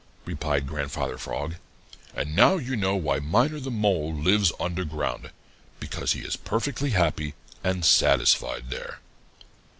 replied Grandfather Frog. "And now you know why Miner the Mole lives under ground because he is perfectly happy and satisfied there."